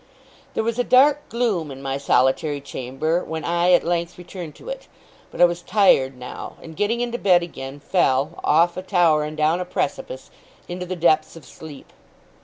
There was a dark gloom in my solitary chamber, when I at length returned to it; but I was tired now, and, getting into bed again, fell off a tower and down a precipice into the depths of sleep.